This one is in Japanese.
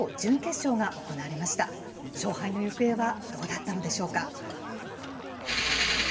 勝敗の行方はどうだったのでしょうか。